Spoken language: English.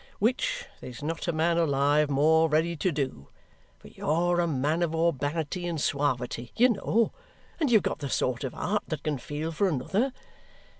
Which there's not a man alive more ready to do, for you're a man of urbanity and suavity, you know, and you've got the sort of heart that can feel for another.